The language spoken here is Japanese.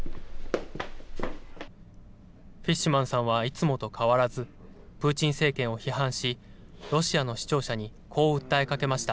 フィッシュマンさんはいつもと変わらずプーチン政権を批判し、ロシアの視聴者にこう訴えかけました。